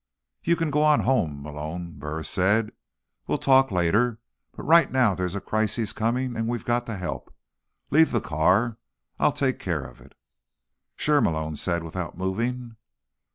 "You can go on home, Malone," Burris said. "We'll talk later, but right now there's a crisis coming and we've got to help. Leave the car. I'll take care of it." "Sure," Malone said, without moving.